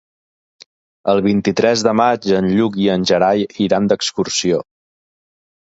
El vint-i-tres de maig en Lluc i en Gerai iran d'excursió.